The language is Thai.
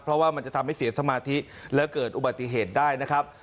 เพราะว่ามันจะทำให้เสียสมาธิและเกิดอุบัติเหตุได้นะครับ